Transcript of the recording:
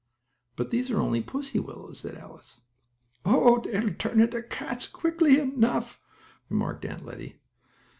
"But these are only pussy willows," said Alice. "Oh, they'll turn into cats quickly enough," remarked Aunt Lettie.